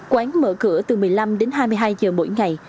quán mở cửa từ một mươi năm đến hai mươi hai giờ mỗi ngày